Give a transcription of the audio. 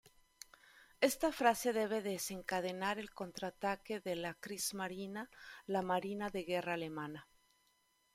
Esta frase debe desencadenar el contraataque de la Kriegsmarine, la marina de guerra alemana.